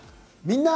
「みんな！